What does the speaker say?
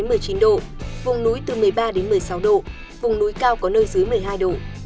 nhiệt độ cao nhất từ một mươi ba một mươi sáu độ vùng núi cao có nơi dưới một mươi hai độ